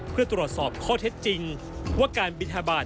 เพื่อตรวจสอบข้อเท็จจริงว่าการบินทบาท